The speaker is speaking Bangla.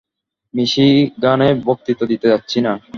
মিশিগানে বক্তৃতা দিতে যাচ্ছি না।